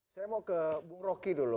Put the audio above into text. saya mau ke bung roki dulu